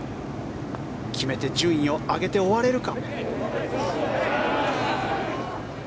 決めて順位を上げて終われるか。